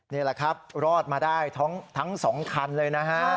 นี่แหละครับรอดมาได้ทั้ง๒คันเลยนะฮะ